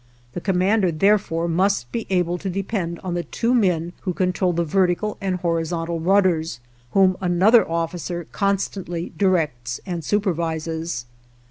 The commander therefore must be able to depend on the two men who control the vertical and horizontal rudders, whom another officer constantly directs and supervises.